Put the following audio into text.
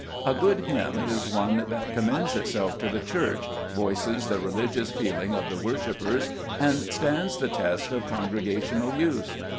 A good hymn is one that commends itself to the Church, voices the religious feeling of the worshippers, and stands the test of congre gational use.